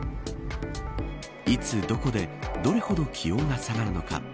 いつ、どこでどれほど気温が下がるのか。